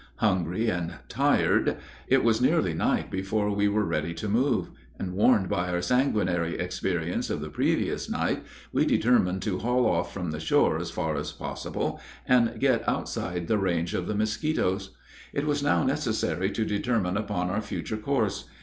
Hungry and tired, it was nearly night before we were ready to move; and, warned by our sanguinary experience of the previous night, we determined to haul off from the shore as far as possible, and get outside the range of the mosquitos. It was now necessary to determine upon our future course.